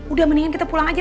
udah mendingan kita pulang aja